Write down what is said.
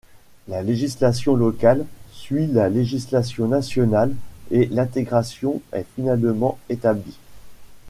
La législation locale suit la législation nationale et l'intégration est finalement établie.